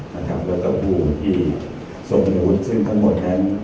นะครับแล้วก็ผู้ที่ซวมมือหุ้นซึ่งทั้งหมดนั้น